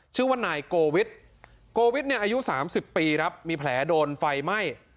ชื่อว่านายโกวิทโกวิทเนี่ยอายุ๓๐ปีครับมีแผลโดนไฟไหม้